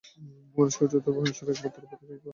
মানুষের উচ্চতম ভাবরাশির একমাত্র প্রতীক হইতেছে শব্দ।